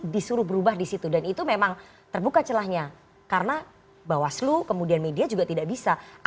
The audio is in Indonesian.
disuruh berubah disitu dan itu memang terbuka celahnya karena bawaslu kemudian media juga tidak bisa